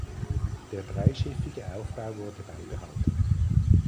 Der dreischiffige Aufbau wurde beibehalten.